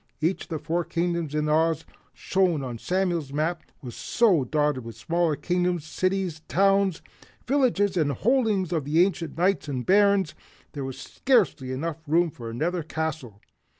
Each of the four Kingdoms in Oz shown on Samuel's map was so dotted with smaller Kingdoms, cities, towns, villages and the holdings of ancient Knights and Barons, there was scarcely room for another castle.